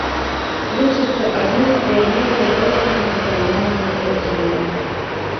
Лічыцца адным з піянераў літоўскага нацыянальнага адраджэння.